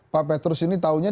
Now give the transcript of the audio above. pak petrus ini taunya